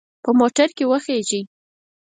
په موټر کې وخیژئ.